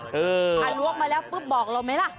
ถ้าล้วงมาแล้วปุ๊บบอกเราไหมล่ะ